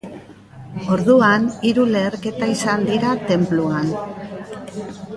Orduan, hiru leherketa izan dira tenpluan.